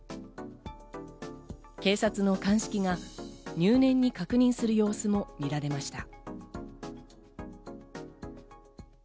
警察の鑑識が入念に確認する様子も見られました。